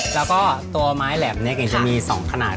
แล้วก็ตัวไม้แหลมเนี่ยจะมี๒ขนาด